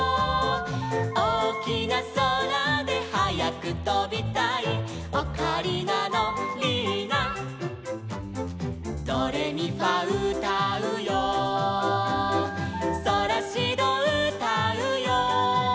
「おおきなそらではやくとびたい」「オカリナのリーナ」「ドレミファうたうよ」「ソラシドうたうよ」